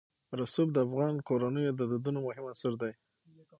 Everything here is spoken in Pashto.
رسوب د افغان کورنیو د دودونو مهم عنصر دی.